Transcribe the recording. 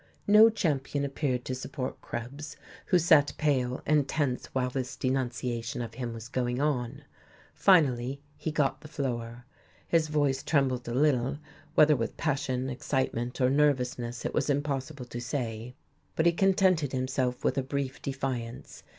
No champion appeared to support Krebs, who sat pale and tense while this denunciation of him was going on. Finally he got the floor. His voice trembled a little, whether with passion, excitement, or nervousness it was impossible to say. But he contented himself with a brief defiance.